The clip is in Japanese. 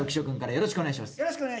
よろしくお願いします。